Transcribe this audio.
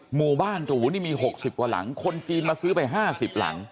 หมู่บ้านหรูนี่มี๖๐กว่าหลังคนจีนมาซื้อไป๕๐หลัง